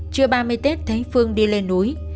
trưa ba mươi tết thấy phương đi lên núi